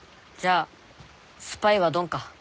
じゃあスパイはドンか。